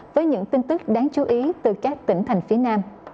với những tin tức đáng chú ý từ các tỉnh thành phía nam